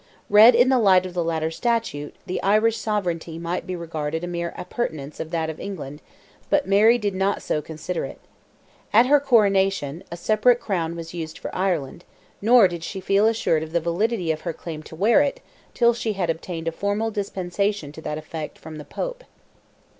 Read in the light of the latter statute, the Irish sovereignty might be regarded a mere appurtenance of that of England, but Mary did not so consider it. At her coronation, a separate crown was used for Ireland, nor did she feel assured of the validity of her claim to wear it till she had obtained a formal dispensation to that effect from the Pope.